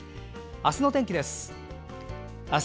あすの天気です。